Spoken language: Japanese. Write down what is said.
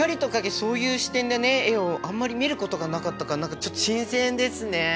そういう視点で絵をあんまり見ることがなかったから何かちょっと新鮮ですね！